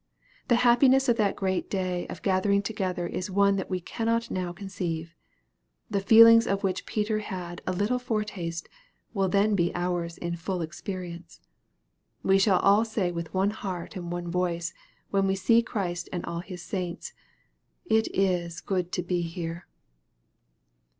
The happiness of that great day of gathering together is one that we cannot now conceive. The feelings of which Peter had a little foretaste, will then be our's in full experience. We shall all say with one heart and one voice, when we see Christ and all His saints, " It is good to be here."